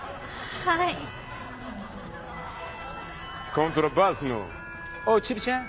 コントラバスのおちびちゃん。